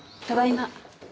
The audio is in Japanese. ただいま。